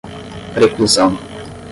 preclusão